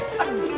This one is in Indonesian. gimana sih kak